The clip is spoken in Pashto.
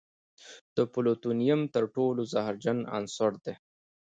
د پلوتونیم تر ټولو زهرجن عنصر دی.